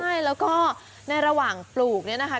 ใช่แล้วก็ในระหว่างปลูกเนี่ยนะคะ